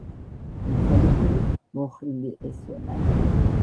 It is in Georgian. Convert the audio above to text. მიცვალებული მოხრილი ესვენა.